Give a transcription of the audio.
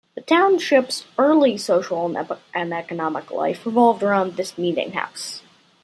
The township's early social and economic life revolved around this Meeting House.